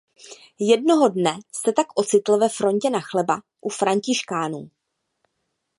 Jednoho dne se tak ocitl ve frontě na chleba u františkánů.